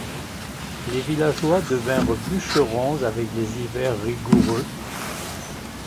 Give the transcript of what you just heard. Les villageois devinrent bûcherons avec les hivers rigoureux.